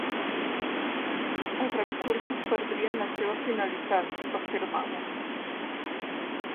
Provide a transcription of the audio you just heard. “Els recursos perdrien la seva finalitat”, afirmava.